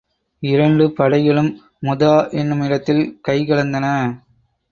இரண்டு படைகளும் முதா என்னும் இடத்தில் கைகலந்தன.